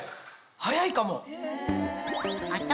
速いかも。